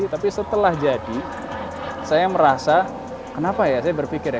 tapi setelah jadi saya merasa kenapa ya saya berpikir ya